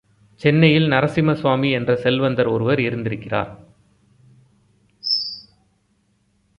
சென்னையில் நரசிம்மசுவாமி என்ற செல்வந்தர் ஒருவர் இருந்திருக்கிறார்.